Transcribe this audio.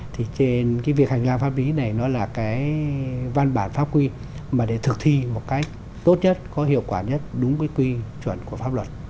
thì trên cái việc hành lang pháp lý này nó là cái văn bản pháp quy mà để thực thi một cách tốt nhất có hiệu quả nhất đúng cái quy chuẩn của pháp luật